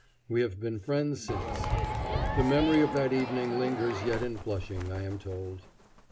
We have been friends since. The memory of that evening lingers yet in Flushing, I am told.